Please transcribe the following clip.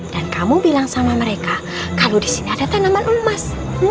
kamu bilang sama mereka kalau di sini ada tanaman emas